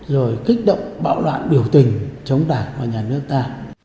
rồi kích động bạo loạn điều tình chống đạt của nhà nước ta